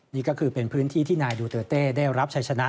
นี่ก็คือเป็นพื้นที่ที่นายดูเตอร์เต้ได้รับชัยชนะ